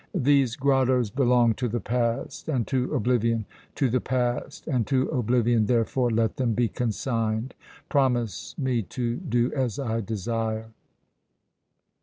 These grottoes belong to the past and to oblivion; to the past and to oblivion, therefore, let them be consigned! Promise me to do as I desire!"